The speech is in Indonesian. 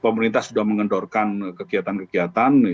pemerintah sudah mengendorkan kegiatan kegiatan